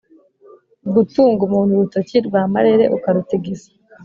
gutunga umuntu urutoki rwa marere u karutig isa;